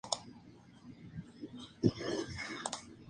tú no habías vivido